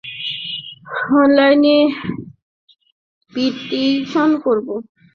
অনলাইনে পিটিশন করব?